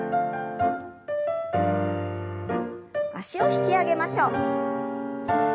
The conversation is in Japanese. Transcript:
脚を引き上げましょう。